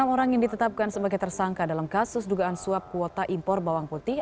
enam orang yang ditetapkan sebagai tersangka dalam kasus dugaan suap kuota impor bawang putih